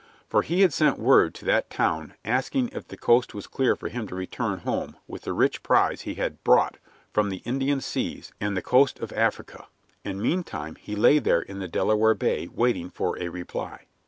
For he had sent word to that town asking if the coast was clear for him to return home with the rich prize he had brought from the Indian seas and the coast of Africa, and meantime he lay there in the Delaware Bay waiting for a reply.